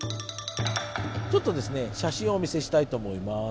ちょっと写真をお見せしたいと思います。